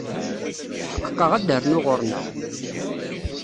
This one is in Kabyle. Tḥeqqeɣ ad d-ternu ɣer-neɣ.